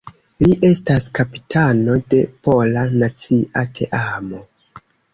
Li estas kapitano de pola nacia teamo.